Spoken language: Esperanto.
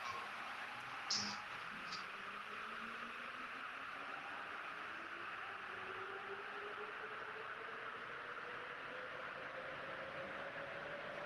Tiuj ekstremaĵoj estis do kovritaj de tre glitiga pluvglacio.